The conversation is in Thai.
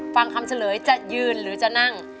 ฟังคำเฉลยจะยืนหรือจะนั่ง